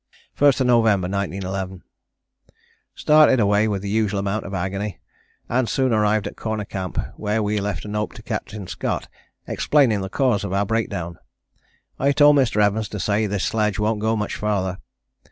"1st November 1911. "Started away with the usual amount of agony, and soon arrived at Corner Camp where we left a note to Captain Scott explaining the cause of our breakdown. I told Mr. Evans to say this sledge won't go much farther.